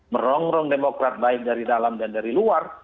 merongrong demokrat baik dari dalam dan dari luar